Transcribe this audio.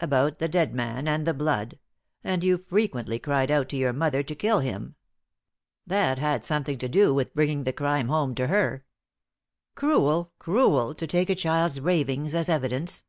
"About the dead man and the blood; and you frequently cried out to your mother to kill him. That had something to do with bring the crime home to her." "Cruel cruel, to take a child's ravings as evidence!"